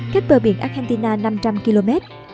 cách bờ biển argentina năm trăm linh km